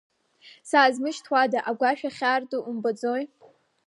Саазмышьҭуада, агәашә ахьаарту умбаӡои?